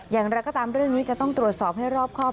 อย่างไรก็ตามเรื่องนี้จะต้องตรวจสอบให้รอบครอบ